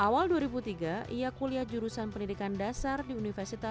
jarak dari rumahnya menuju sekolah dekat hanya sekitar dua km saja